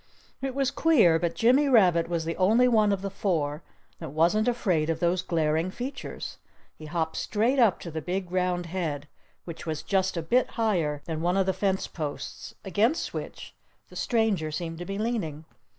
It was queer—but Jimmy Rabbit was the only one of the four that wasn't afraid of those glaring features. He hopped straight up to the big round head, which was just a bit higher than one of the fence posts, against which the stranger seemed to be leaning.